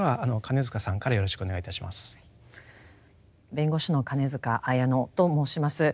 弁護士の金塚彩乃と申します。